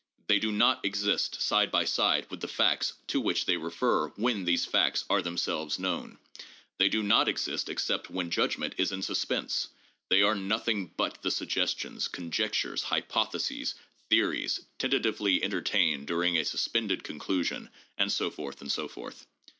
They do not exist side by side with the facts to which they refer when these facts are themselves known. They do not exist except when judgment is in suspense. They are nothing but the suggestions, con jectures, hypotheses, theories, tentatively entertained during a suspended conclusion, and so forth and so forth.